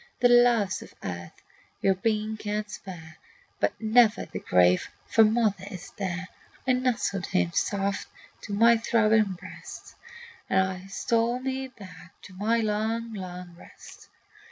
"The loves of earth your being can spare, But never the grave, for mother is there." I nestled him soft to my throbbing breast, And stole me back to my long, long rest.